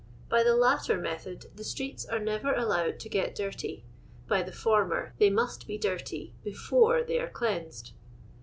By the latter Djeihod the streets are never allowed to get dirty — by the former they must be dirty before they are cleansed.